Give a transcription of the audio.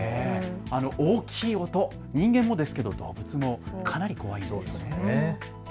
大きい音、人間もですけれども動物もかなり怖いんですね。